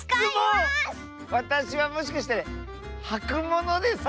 わたしはもしかしてはくものですか？